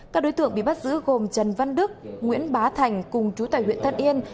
các đối tượng bị bắt giữ gồm trần văn đức nguyễn bá thành cùng chú tài huyện tân yên